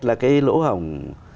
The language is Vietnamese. là cái lỗ hỏng